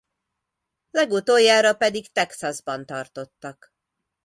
Legutoljára pedig Texasban tartottak.